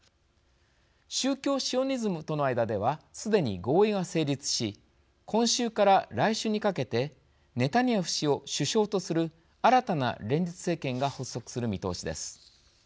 宗教シオニズムとの間ではすでに合意が成立し今週から来週にかけてネタニヤフ氏を首相とする新たな連立政権が発足する見通しです。